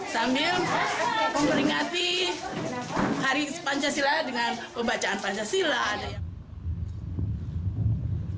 sambil memperingati hari pancasila dengan pembacaan pancasila